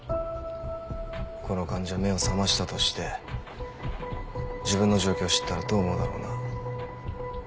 この患者目を覚ましたとして自分の状況知ったらどう思うだろうな。